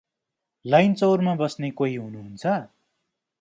लैनचौरमा बस्ने कोही हुनुहुन्छ?